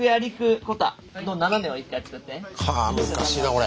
かあ難しいなこれ。